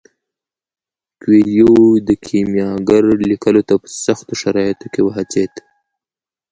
کویلیو د کیمیاګر لیکلو ته په سختو شرایطو کې وهڅید.